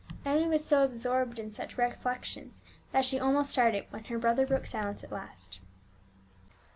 Emmie was so absorbed in such reflections that she almost started when her brother broke silence at last.